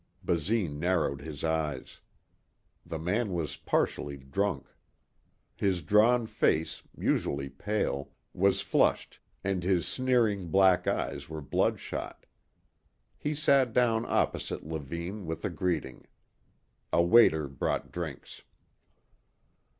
Basine narrowed his eyes. The man was partially drunk. His drawn face, usually pale, was flushed and his sneering black eyes were bloodshot. He sat down opposite Levine with a greeting. A waiter brought drinks.